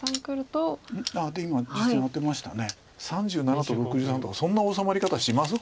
３７と６３とかそんな治まり方します？